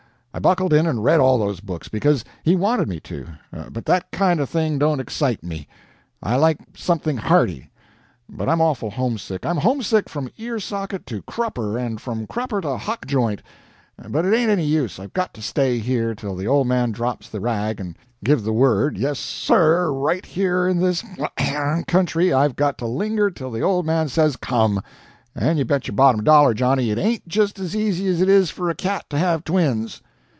I buckled in and read all those books, because he wanted me to; but that kind of thing don't excite ME, I like something HEARTY. But I'm awful homesick. I'm homesick from ear socket to crupper, and from crupper to hock joint; but it ain't any use, I've got to stay here, till the old man drops the rag and give the word yes, SIR, right here in this country I've got to linger till the old man says COME! and you bet your bottom dollar, Johnny, it AIN'T just as easy as it is for a cat to have twins!"